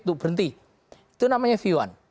untuk berhenti itu namanya v satu